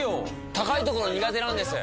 高いところ苦手なんです。